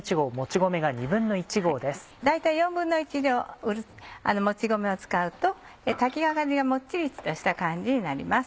大体１／４量もち米を使うと炊き上がりがもっちりとした感じになります。